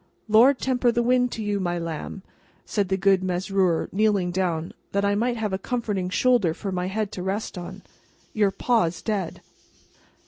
"Lord temper the wind to you, my lamb!" said the good Mesrour, kneeling down, that I might have a comforting shoulder for my head to rest on, "your Pa's dead!"